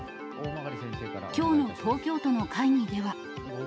きょうの東京都の会議では。